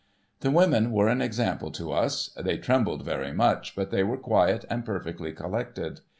The women were an example to us. They trembled very much, but they were quiet and perfectly collected.